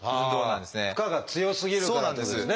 負荷が強すぎるからってことですね。